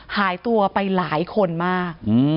หายตัวไปหลายคนมาก